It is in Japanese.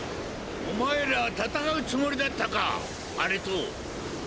おまえら戦うつもりだったかアレと！